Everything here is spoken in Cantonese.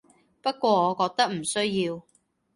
不過我覺得唔需要